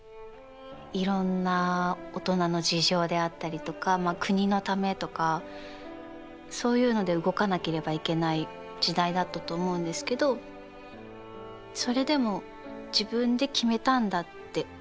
いろんな大人の事情であったりとか国のためとかそういうので動かなければいけない時代だったと思うんですけどそれでも自分で決めたんだって。